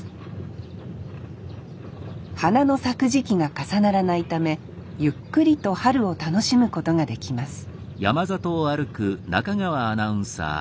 花の咲く時期が重ならないためゆっくりと春を楽しむことができます